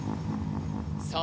さあ